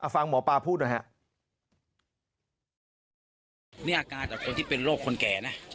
ฟังหมอปาพูดหน่อยฮะ